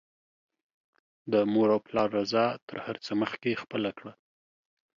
د مور او پلار رضاء تر هر څه مخکې خپله کړه